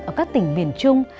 ở các tỉnh miền trung